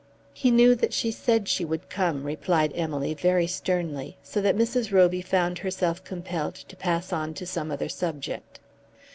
"He knew that she said she would come," replied Emily very sternly, so that Mrs. Roby found herself compelled to pass on to some other subject.